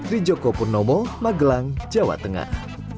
di joko purnomo magelang jawa tengah